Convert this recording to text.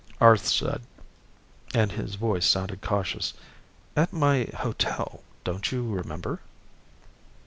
Arth said, and his voice sounded cautious, "At my hotel, don't you remember?"